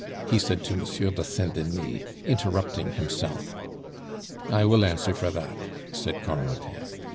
he said to Monsieur de Saint Denis, interrupting himself. "I will answer for that," said Corentin.